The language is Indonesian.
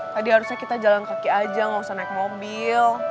tadi harusnya kita jalan kaki aja nggak usah naik mobil